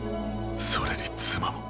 それに妻も。